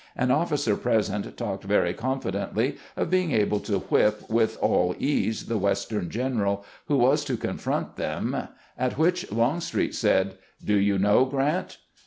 An officer present talked very confidently of being able to whip with aU ease the longstreet's estimate op geant 47 western general who was to confront them, at which Longstreet said: "Do you know Grant!"